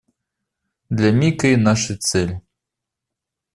Для Мика и нашей цели.